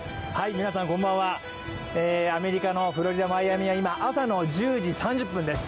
皆さんこんばんは、アメリカのフロリダ・マイアミは朝の１０時３０分です。